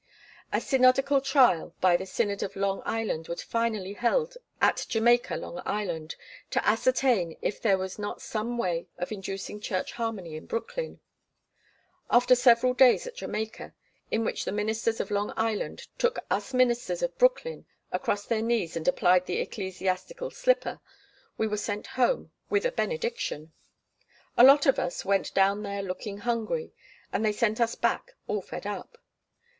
A synodical trial by the Synod of Long Island was finally held at Jamaica, L.I., to ascertain if there was not some way of inducing church harmony in Brooklyn. After several days at Jamaica, in which the ministers of Long Island took us ministers of Brooklyn across their knees and applied the ecclesiastical slipper, we were sent home with a benediction. A lot of us went down there looking hungry, and they sent us back all fed up.